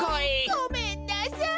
ごめんなさい！